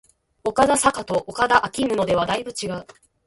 岡田紗佳と岡田彰布ではだいぶ違う